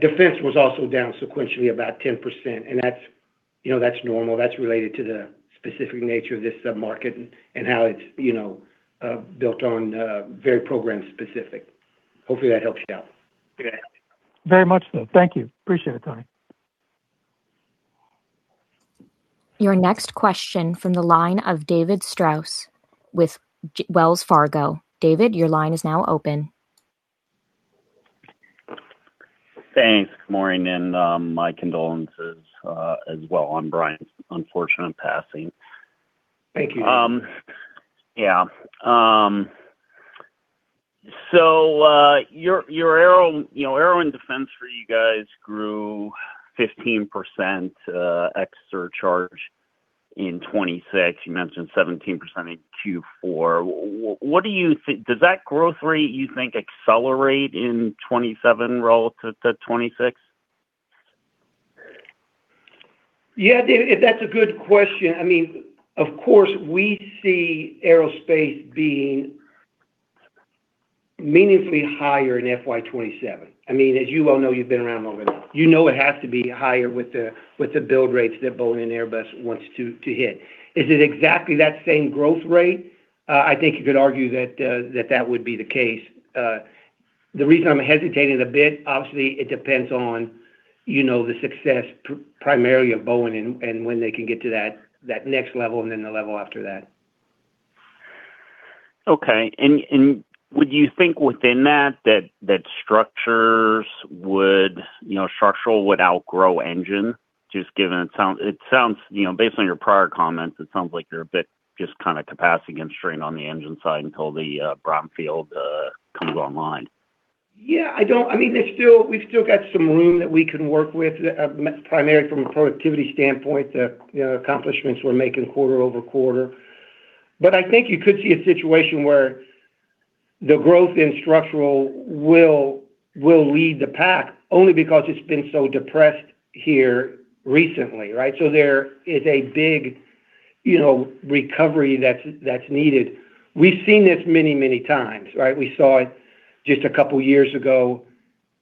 Defense was also down sequentially about 10%. That's normal. That's related to the specific nature of this sub-market and how it's built on very program-specific. Hopefully, that helps you out. Okay. Very much so. Thank you. Appreciate it, Tony. Your next question from the line of David Strauss with Wells Fargo. David, your line is now open. Thanks. Good morning, My condolences as well on Brian's unfortunate passing. Thank you. Your aero and defense for you guys grew 15% extra charge in 2026. You mentioned 17% in Q4. Does that growth rate, you think, accelerate in 2027 relative to 2026? Yeah, David, that's a good question. Of course, we see aerospace being meaningfully higher in FY 2027. As you well know, you've been around long enough. You know it has to be higher with the build rates that Boeing and Airbus wants to hit. Is it exactly that same growth rate? I think you could argue that that would be the case. The reason I'm hesitating a bit, obviously, it depends on the success primarily of Boeing and when they can get to that next level and then the level after that. Okay. Would you think within that structural would outgrow engine? Based on your prior comments, it sounds like you're a bit just capacity constrained on the engine side until the brownfield comes online. Yeah. We've still got some room that we can work with, primarily from a productivity standpoint, the accomplishments we're making quarter-over-quarter. I think you could see a situation where the growth in structural will lead the pack only because it's been so depressed here recently, right? There is a big recovery that's needed. We've seen this many, many times, right? We saw it just a couple of years ago,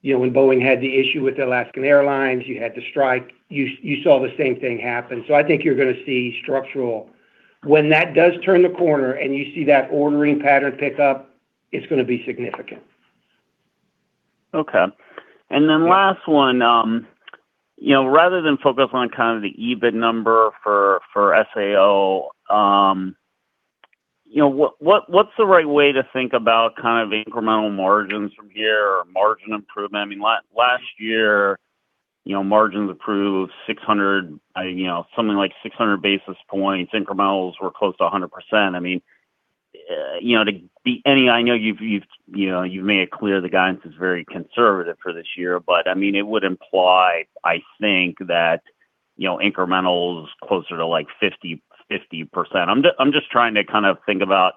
when Boeing had the issue with Alaska Airlines. You had the strike. You saw the same thing happen. I think you're going to see structural. When that does turn the corner and you see that ordering pattern pick up, it's going to be significant. Okay. Last one, rather than focus on kind of the EBIT number for SAO, what's the right way to think about incremental margins from here or margin improvement? Last year, margins improved something like 600 basis points. Incrementals were close to 100%. I know you've made it clear the guidance is very conservative for this year, it would imply, I think, that incrementals closer to like 50%. I'm just trying to think about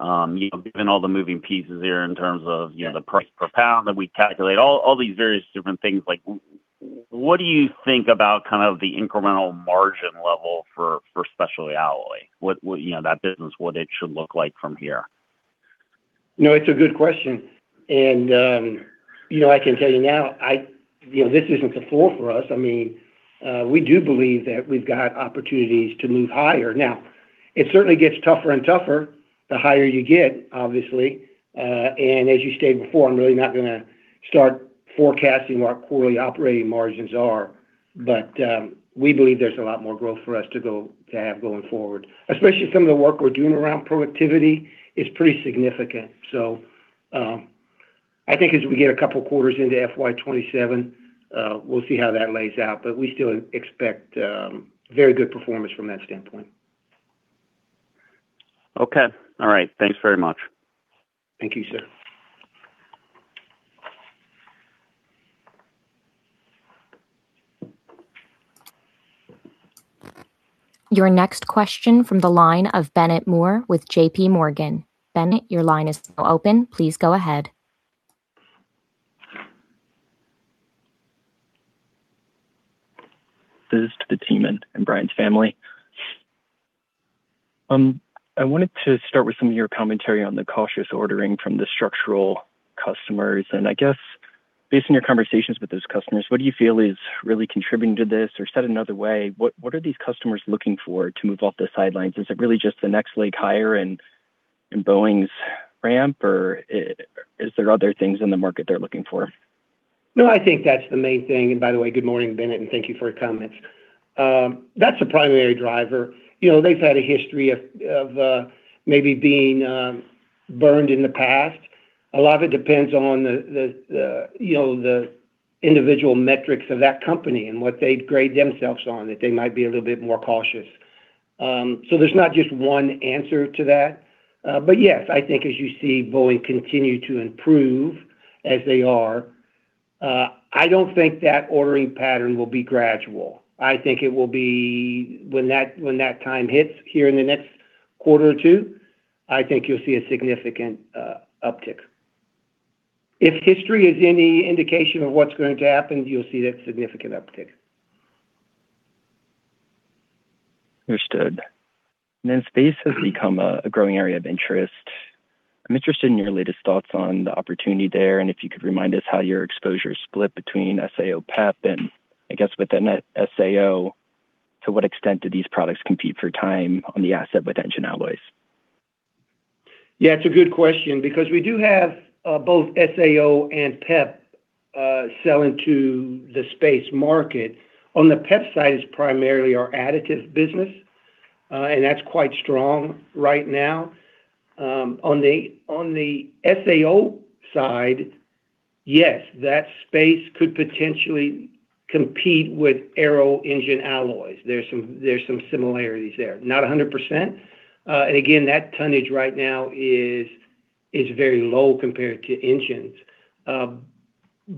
given all the moving pieces here in terms of the price per pound that we calculate, all these various different things. What do you think about the incremental margin level for Specialty Alloy? That business, what it should look like from here? It's a good question. I can tell you now, this isn't the floor for us. We do believe that we've got opportunities to move higher. Now, it certainly gets tougher and tougher the higher you get, obviously. As you stated before, I'm really not going to start forecasting what quarterly operating margins are. We believe there's a lot more growth for us to have going forward, especially some of the work we're doing around productivity is pretty significant. I think as we get a couple of quarters into FY 2027, we'll see how that lays out. We still expect very good performance from that standpoint. Okay. All right. Thanks very much. Thank you, sir. Your next question from the line of Bennett Moore with JPMorgan. Bennett, your line is now open. Please go ahead. This is to the team and Brian's family. I wanted to start with some of your commentary on the cautious ordering from the structural customers. Based on your conversations with those customers, what do you feel is really contributing to this? Or said another way, what are these customers looking for to move off the sidelines? Is it really just the next leg higher in Boeing's ramp, or is there other things in the market they're looking for? No, I think that's the main thing. By the way, good morning, Bennett, and thank you for your comments. That's the primary driver. They've had a history of maybe being burned in the past. A lot of it depends on the individual metrics of that company and what they grade themselves on, that they might be a little bit more cautious. There's not just one answer to that. Yes, I think as you see Boeing continue to improve as they are, I don't think that ordering pattern will be gradual. I think it will be when that time hits here in the next quarter or two, I think you'll see a significant uptick. If history is any indication of what's going to happen, you'll see that significant uptick. Understood. Space has become a growing area of interest. I'm interested in your latest thoughts on the opportunity there, and if you could remind us how your exposure is split between SAO, PEP, and I guess within SAO, to what extent do these products compete for time on the asset with engine alloys? Yeah, it's a good question, because we do have both SAO and PEP selling to the space market. On the PEP side is primarily our additives business, and that's quite strong right now. On the SAO side, yes, that space could potentially compete with aero engine alloys. There's some similarities there. Not 100%. That tonnage right now is very low compared to engines.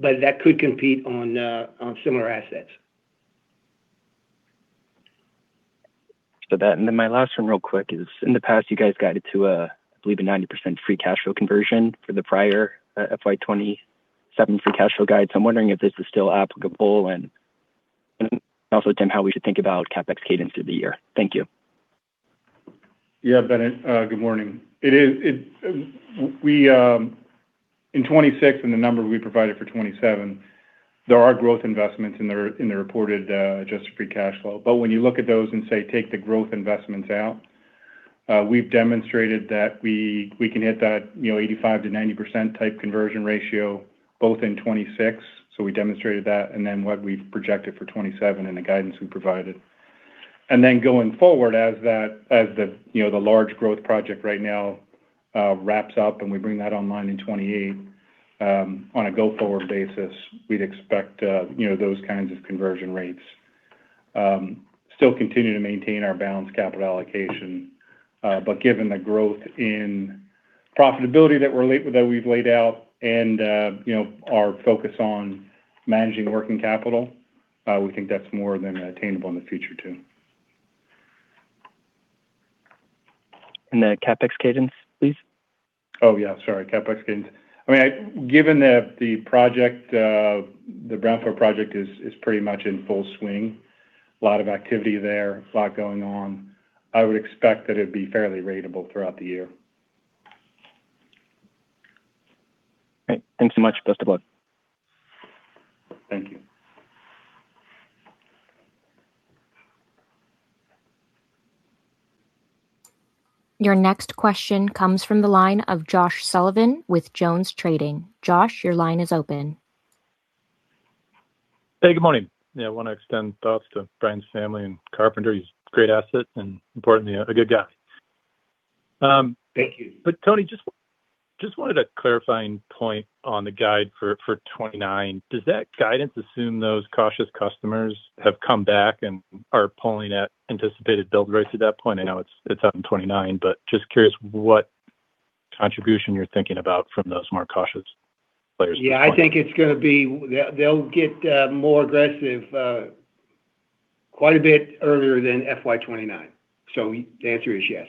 That could compete on similar assets. My last one real quick is, in the past you guys guided to, I believe, a 90% free cash flow conversion for the prior FY 2027 free cash flow guide. I'm wondering if this is still applicable, and also, Tim, how we should think about CapEx cadence through the year. Thank you. Yeah, Bennett. Good morning. In 2026, and the number we provided for 2027, there are growth investments in the reported adjusted free cash flow. When you look at those and, say, take the growth investments out, we've demonstrated that we can hit that 85%-90% type conversion ratio, both in 2026, so we demonstrated that, and then what we've projected for 2027 in the guidance we provided. Going forward, as the large growth project right now wraps up and we bring that online in 2028, on a go-forward basis, we'd expect those kinds of conversion rates. We still continue to maintain our balanced capital allocation. Given the growth in profitability that we've laid out and our focus on managing working capital, we think that's more than attainable in the future too. The CapEx cadence, please? Oh, yeah. Sorry. CapEx cadence. Given that the Brownfield project is pretty much in full swing, a lot of activity there, a lot going on, I would expect that it'd be fairly ratable throughout the year. Great. Thanks so much. Best of luck. Thank you. Your next question comes from the line of Josh Sullivan with JonesTrading. Josh, your line is open. Hey, good morning. Yeah, I want to extend thoughts to Brian's family and Carpenter. He's a great asset, and importantly, a good guy. Thank you. Tony, just wanted a clarifying point on the guide for 2029. Does that guidance assume those cautious customers have come back and are pulling at anticipated build rates at that point? I know it's out in 2029, but just curious what contribution you're thinking about from those more cautious players at that point. Yeah, I think they'll get more aggressive quite a bit earlier than FY 2029. The answer is yes.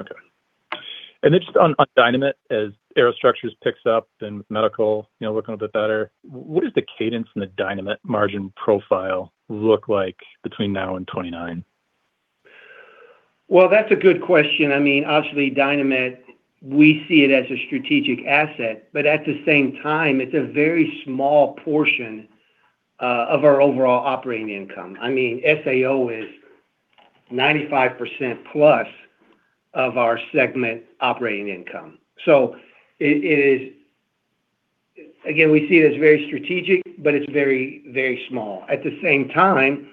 Okay. Just on Dynamet, as Aerostructures picks up, then with medical looking a bit better, what does the cadence and the Dynamet margin profile look like between now and 2029? Well, that's a good question. Obviously, Dynamet, we see it as a strategic asset. At the same time, it's a very small portion of our overall operating income. SAO is 95% plus of our segment operating income. Again, we see it as very strategic, but it's very small. At the same time,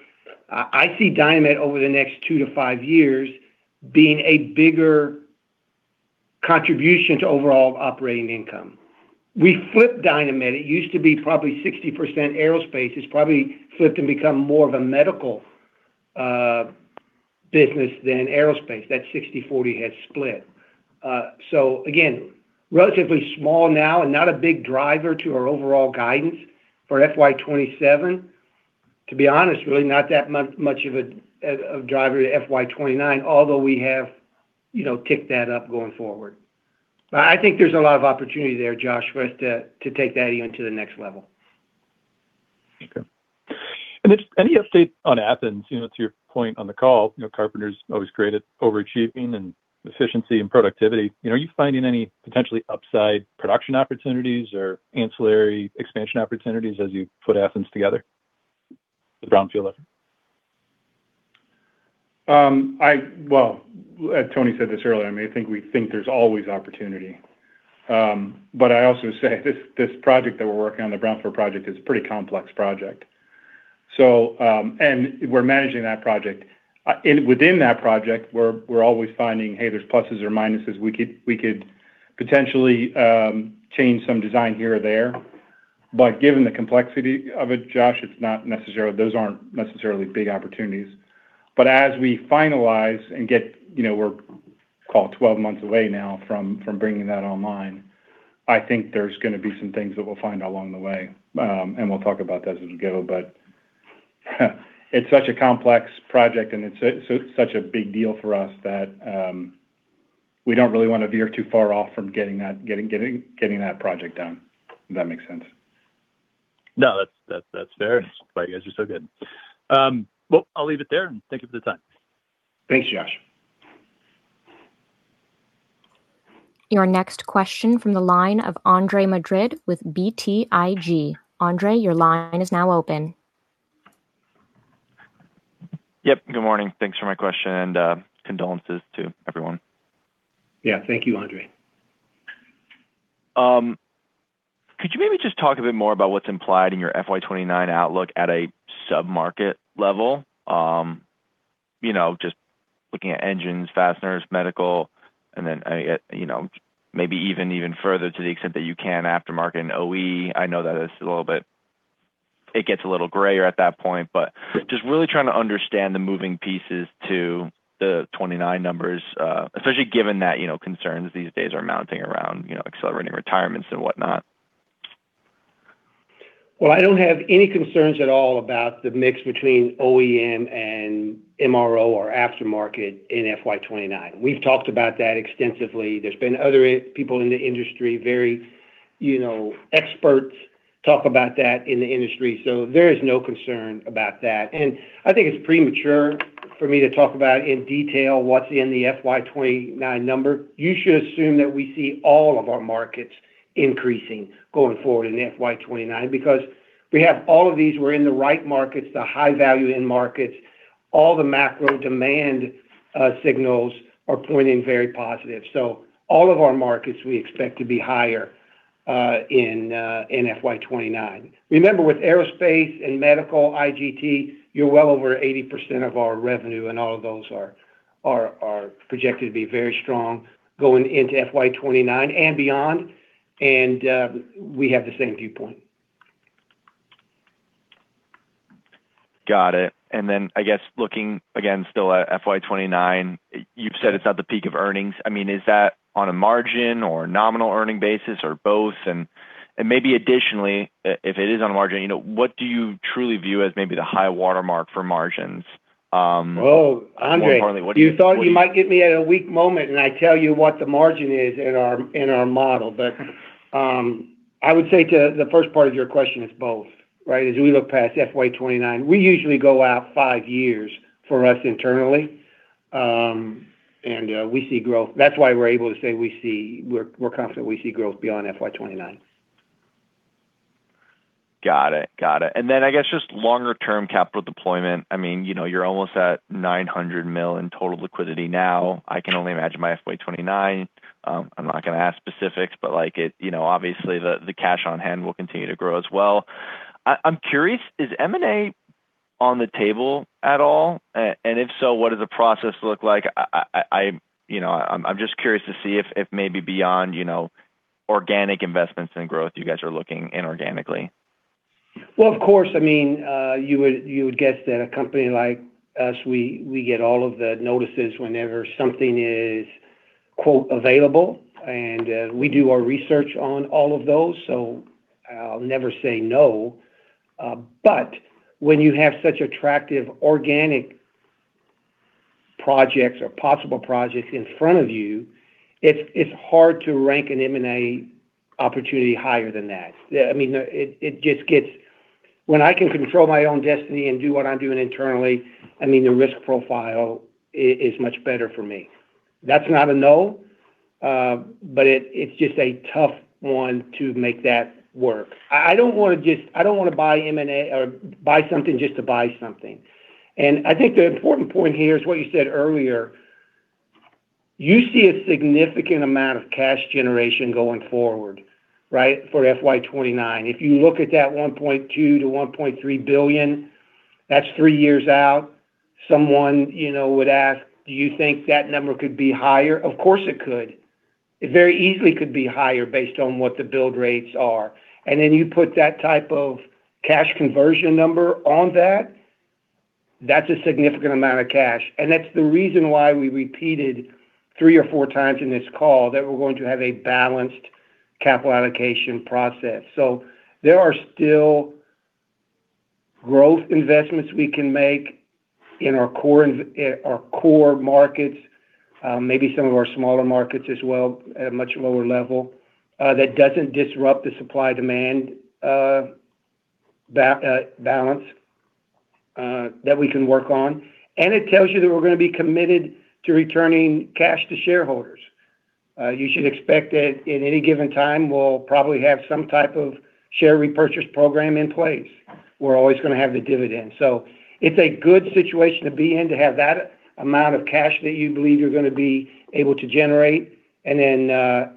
I see Dynamet over the next two to five years being a bigger contribution to overall operating income. We flipped Dynamet. It used to be probably 60% aerospace. It's probably flipped and become more of a medical business than aerospace. That 60/40 has split. Again, relatively small now and not a big driver to our overall guidance for FY 2027. To be honest, really not that much of a driver to FY 2027, although we have ticked that up going forward. I think there's a lot of opportunity there, Josh, for us to take that even to the next level. Okay. Just any update on Athens? To your point on the call, Carpenter's always great at overachieving and efficiency and productivity. Are you finding any potentially upside production opportunities or ancillary expansion opportunities as you put Athens together? The Brownfield effort. Well, Tony said this earlier, I think we think there's always opportunity. I also say this project that we're working on, the Brownfield project, is a pretty complex project. We're managing that project. Within that project, we're always finding, hey, there's pluses or minuses. We could potentially change some design here or there. Given the complexity of it, Josh, those aren't necessarily big opportunities. As we finalize and we're call it 12 months away now from bringing that online, I think there's going to be some things that we'll find along the way. We'll talk about those as we go. It's such a complex project, and it's such a big deal for us that we don't really want to veer too far off from getting that project done, if that makes sense. No, that's fair. That's why you guys are so good. I'll leave it there, thank you for the time. Thanks, Josh. Your next question from the line of Andre Madrid with BTIG. Andre, your line is now open. Yep. Good morning. Thanks for my question, and condolences to everyone. Yeah. Thank you, Andre. Could you maybe just talk a bit more about what's implied in your FY 2029 outlook at a sub-market level? Just looking at engines, fasteners, medical, and then maybe even further to the extent that you can aftermarket and OE. I know that it gets a little grayer at that point. Just really trying to understand the moving pieces to the 2029 numbers, especially given that concerns these days are mounting around accelerating retirements and whatnot. Well, I don't have any concerns at all about the mix between OEM and MRO or aftermarket in FY 2029. We've talked about that extensively. There's been other people in the industry, experts talk about that in the industry. There is no concern about that. I think it's premature for me to talk about in detail what's in the FY 2029 number. You should assume that we see all of our markets increasing going forward in FY 2029, because we have all of these. We're in the right markets, the high value-add markets. All the macro demand signals are pointing very positive. All of our markets we expect to be higher in FY 2029. Remember, with aerospace and medical IGT, you're well over 80% of our revenue, and all of those are projected to be very strong going into FY 2029 and beyond. We have the same viewpoint. Got it. I guess, looking, again, still at FY 2029, you've said it's at the peak of earnings. Is that on a margin or a nominal earning basis or both? Maybe additionally, if it is on a margin, what do you truly view as maybe the high watermark for margins? Oh, Andre. You thought you might get me at a weak moment, and I'd tell you what the margin is in our model. I would say to the first part of your question, it's both. As we look past FY 2029, we usually go out five years for us internally. We see growth. That's why we're able to say we're confident we see growth beyond FY 2029. Got it. I guess just longer term capital deployment. You're almost at $900 million in total liquidity now. I can only imagine by FY 2029. I'm not going to ask specifics, but obviously, the cash on hand will continue to grow as well. I'm curious, is M&A on the table at all? If so, what does the process look like? I'm just curious to see if maybe beyond organic investments and growth you guys are looking inorganically. Well, of course. You would guess that a company like us, we get all of the notices whenever something is "available", and we do our research on all of those. I'll never say no. When you have such attractive organic projects or possible projects in front of you, it's hard to rank an M&A opportunity higher than that. When I can control my own destiny and do what I'm doing internally, the risk profile is much better for me. That's not a no, but it's just a tough one to make that work. I don't want to buy something just to buy something. I think the important point here is what you said earlier. You see a significant amount of cash generation going forward for FY 2029. If you look at that $1.2 billion-$1.3 billion, that's three years out. Someone would ask, "Do you think that number could be higher?" Of course, it could. It very easily could be higher based on what the build rates are. You put that type of cash conversion number on that's a significant amount of cash. That's the reason why we repeated three or four times in this call that we're going to have a balanced capital allocation process. There are still growth investments we can make in our core markets, maybe some of our smaller markets as well at a much lower level, that doesn't disrupt the supply-demand balance that we can work on. It tells you that we're going to be committed to returning cash to shareholders. You should expect that at any given time, we'll probably have some type of share repurchase program in place. We're always going to have the dividend. It's a good situation to be in, to have that amount of cash that you believe you're going to be able to generate, and then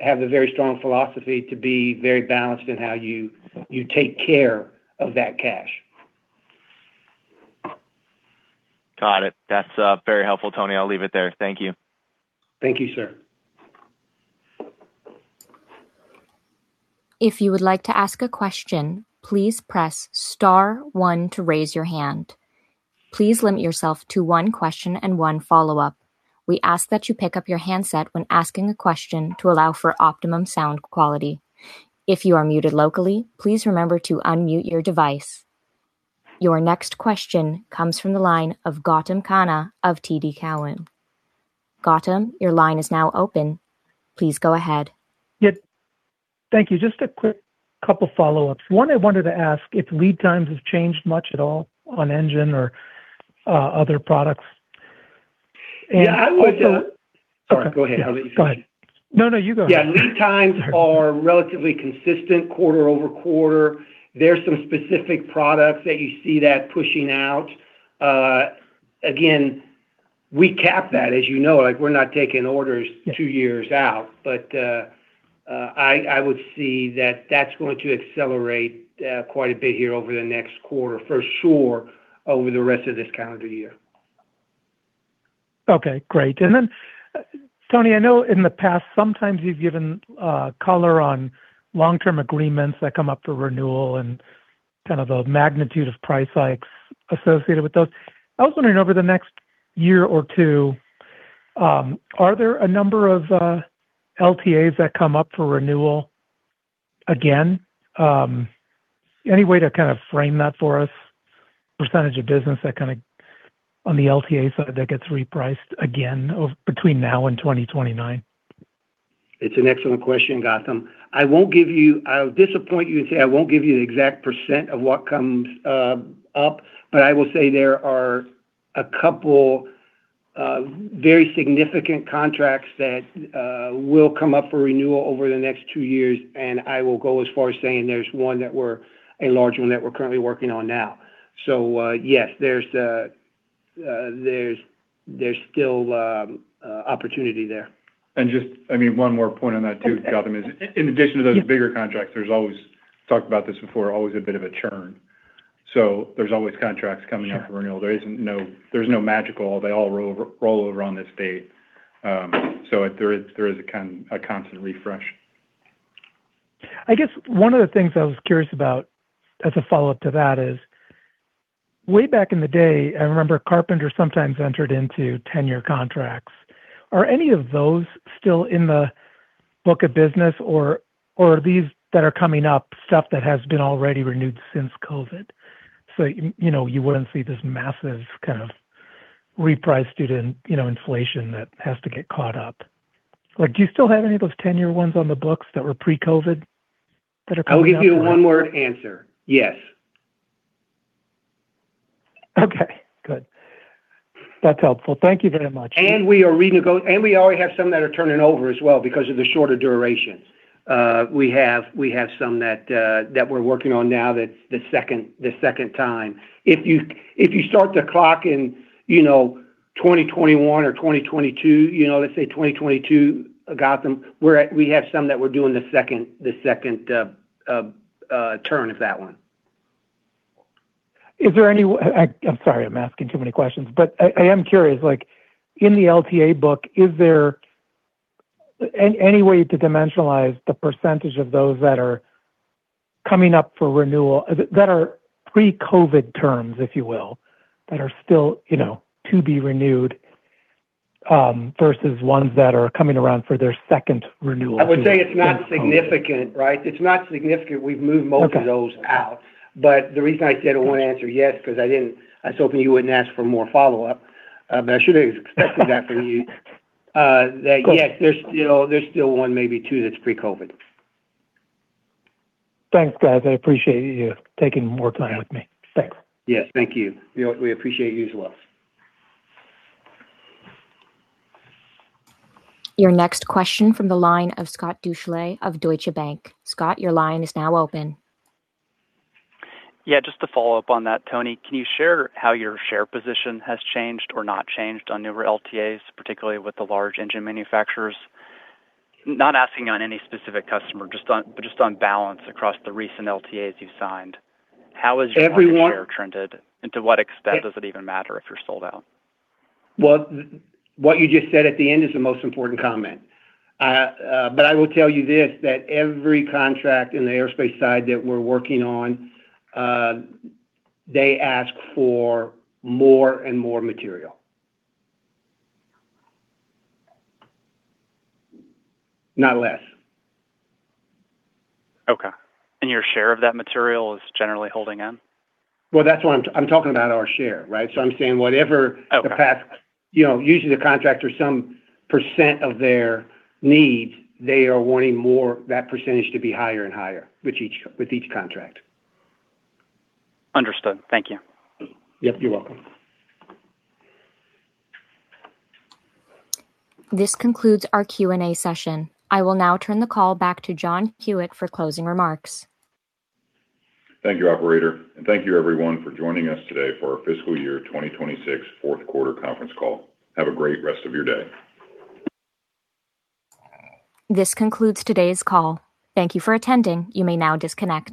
have the very strong philosophy to be very balanced in how you take care of that cash. Got it. That's very helpful, Tony. I'll leave it there. Thank you. Thank you, sir. If you would like to ask a question, please press star one to raise your hand. Please limit yourself to one question and one follow-up. We ask that you pick up your handset when asking a question to allow for optimum sound quality. If you are muted locally, please remember to unmute your device. Your next question comes from the line of Gautam Khanna of TD Cowen. Gautam, your line is now open. Please go ahead. Yeah. Thank you. Just a quick couple follow-ups. One, I wanted to ask if lead times have changed much at all on engine or other products. Sorry, go ahead. No, you go ahead. Yeah. Lead times are relatively consistent quarter-over-quarter. There's some specific products that you see that pushing out. Again, we cap that, as you know. We're not taking orders two years out. I would see that that's going to accelerate quite a bit here over the next quarter, for sure over the rest of this calendar year. Okay, great. Tony, I know in the past sometimes you've given color on Long-Term Agreements that come up for renewal and the magnitude of price hikes associated with those. I was wondering over the next year or two, are there a number of LTAs that come up for renewal again? Any way to frame that for us? % of business on the LTA side that gets repriced again between now and 2029? It's an excellent question, Gautam. I'll disappoint you and say I won't give you the exact % of what comes up, but I will say there are a couple very significant contracts that will come up for renewal over the next two years, and I will go as far as saying there's a large one that we're currently working on now. Yes, there's still opportunity there. Just one more point on that too, Gautam, is in addition to those bigger contracts, we've talked about this before, always a bit of a churn. There's always contracts coming up for renewal. Sure. There's no magical, "They all roll over on this date." There is a constant refresh. I guess one of the things I was curious about as a follow-up to that is way back in the day, I remember Carpenter sometimes entered into 10-year contracts. Are any of those still in the book of business or are these that are coming up stuff that has been already renewed since COVID? You wouldn't see this massive reprice due to inflation that has to get caught up. Do you still have any of those 10-year ones on the books that were pre-COVID that are coming up? I'll give you a one-word answer. Yes. Okay, good. That's helpful. Thank you very much. We already have some that are turning over as well because of the shorter durations. We have some that we're working on now that's the second time. If you start the clock in 2021 or 2022, let's say 2022, Gautam, we have some that we're doing the second turn of that one. Is there any I'm sorry I'm asking too many questions, but I am curious. In the LTA book, is there any way to dimensionalize the percentage of those that are coming up for renewal that are pre-COVID terms, if you will, that are still to be renewed versus ones that are coming around for their second renewal? I would say it's not significant, right? It's not significant. We've moved most of those out. Okay. The reason I said a one-word answer yes because I was hoping you wouldn't ask for more follow-up. I should have expected that from you. Of course. That yes, there's still one, maybe two that's pre-COVID. Thanks, guys. I appreciate you taking more time with me. Thanks. Yes, thank you. We appreciate you as well. Your next question from the line of Scott Deuschle of Deutsche Bank. Scott, your line is now open. Just to follow up on that, Tony, can you share how your share position has changed or not changed on newer LTAs, particularly with the large engine manufacturers? Not asking on any specific customer, but just on balance across the recent LTAs you've signed. How has your market share trended, and to what extent does it even matter if you're sold out? What you just said at the end is the most important comment. I will tell you this, that every contract in the aerospace side that we're working on, they ask for more and more material. Not less. Okay. Your share of that material is generally holding in? Well, I'm talking about our share, right? Okay usually the contractor, some percent of their needs, they are wanting that percentage to be higher and higher with each contract. Understood. Thank you. Yep, you're welcome. This concludes our Q&A session. I will now turn the call back to John Huyette for closing remarks. Thank you, operator, and thank you everyone for joining us today for our fiscal year 2026 fourth quarter conference call. Have a great rest of your day. This concludes today's call. Thank you for attending. You may now disconnect.